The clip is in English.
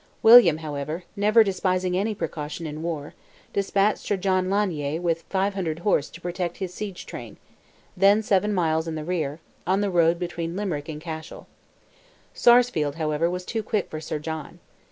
William, however, never despising any precaution in war, despatched Sir John Lanier with 500 horse to protect his siege train, then seven miles in the rear, on the road between Limerick and Cashel. Sarsfield, however, was too quick for Sir John.